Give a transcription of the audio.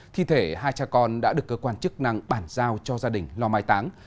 thi thể hai cha con đã được cơ quan chức năng bản giao cho gia đình lo mai táng